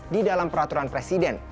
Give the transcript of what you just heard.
di dalam peraturan presiden